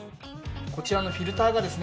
こちらのフィルターがですね